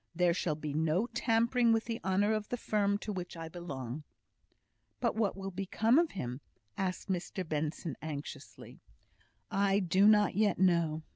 There shall be no tampering with the honour of the firm to which I belong." "But what will become of him?" asked Mr Benson, anxiously. "I do not yet know.